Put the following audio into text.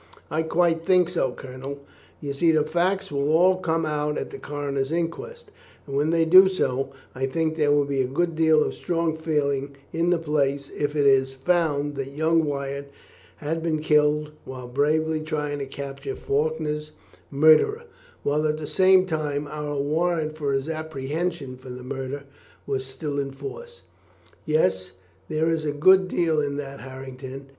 "I quite think so, Colonel. You see, the facts will all come out at the coroner's inquest, and, when they do so, I think there will be a good deal of strong feeling in the place if it is found that young Wyatt has been killed while bravely trying to capture Faulkner's murderer, while at the same time our warrant for his apprehension for the murder was still in force." "Yes, there is a good deal in that, Harrington.